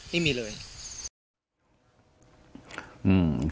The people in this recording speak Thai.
ไม่มีเลย